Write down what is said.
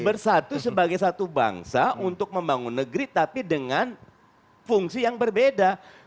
bersatu sebagai satu bangsa untuk membangun negeri tapi dengan fungsi yang berbeda